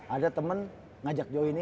ada temen ngajak join ini